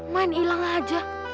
main ilang aja